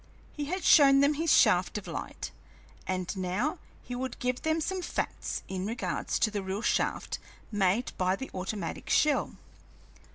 He had shown them his shaft of light, and now he would give them some facts in regard to the real shaft made by the automatic shell.